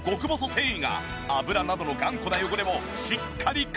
繊維が油などの頑固な汚れもしっかり絡め取る！